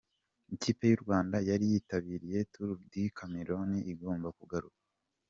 Ikipe y'u Rwanda yari yitabiriye Tour du Cameroun igomba kugaruka.